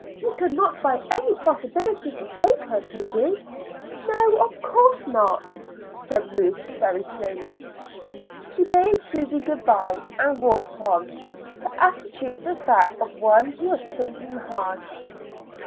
You could not by any possibility forsake her, could you?" "No, of course not," said Ruth very slowly. She bade Susy good bye and walked on; her attitude was that of one who was thinking hard.